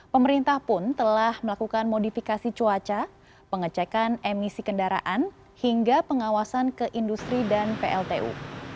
pemerintah pun telah melakukan modifikasi cuaca pengecekan emisi kendaraan hingga pengawasan ke industri dan pltu